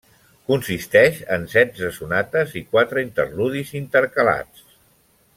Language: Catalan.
Consisteix en setze sonates i quatre interludis intercalats.